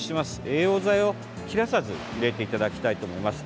栄養剤を切らさず入れていただきたいと思います。